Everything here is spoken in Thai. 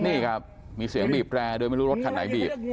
นี่ครับมีเสียงบีบแรร์โดยไม่รู้รถคันไหนบีบ